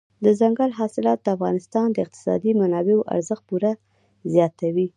دځنګل حاصلات د افغانستان د اقتصادي منابعو ارزښت پوره زیاتوي.